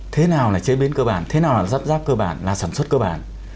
thế nào là chế biến cơ bản thế nào là giáp giáp cơ bản là sản xuất cơ bản